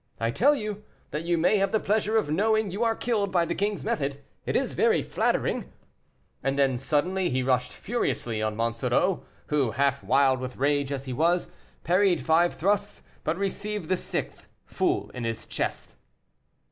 I tell you, that you may have the pleasure of knowing you are killed by the king's method; it is very flattering." And then suddenly he rushed furiously on Monsoreau, who, half wild with rage as he was, parried five thrusts, but received the sixth full in his chest.